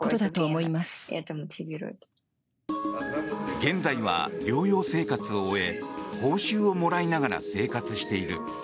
現在は療養生活を終え報酬をもらいながら生活している。